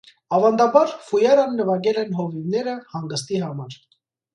Ավանդաբար, ֆույարան նվագել են հովիվները հանգստի համար։